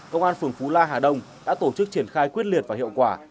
công an phường phú la hà đông đã tổ chức triển khai quyết liệt và hiệu quả